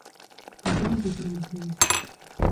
¿Por que non o fixeron vostedes?